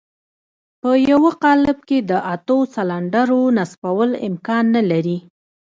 په يوه قالب کې د اتو سلنډرو نصبول امکان نه لري.